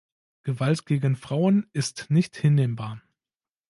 Gewalt gegen Frauen ist nicht hinnehmbar.